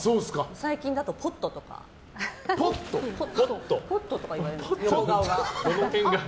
最近だとポットとか。ポットとか言われるんです、顔が。